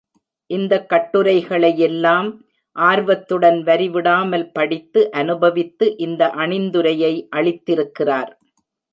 இந்தக் கட்டுரைகளையெல்லாம் ஆர்வத்துடன் வரிவிடாமல் படித்து, அனுபவித்து இந்த அணிந்துரையை அளித்திருக்கிறார்.